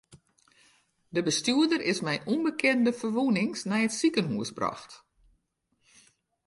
De bestjoerder is mei ûnbekende ferwûnings nei it sikehûs brocht.